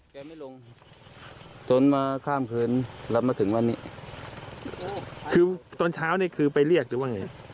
ไม่ลงจนมาข้ามคืนแล้วมาถึงวันนี้คือตอนเช้านี่คือไปเรียกหรือว่าไง